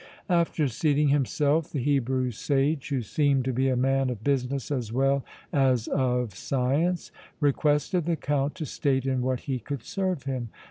After seating himself the Hebrew sage, who seemed to be a man of business as well as of science, requested the Count to state in what he could serve him.